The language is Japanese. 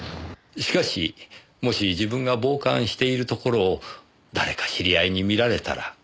しかしもし自分が傍観しているところを誰か知り合いに見られたら。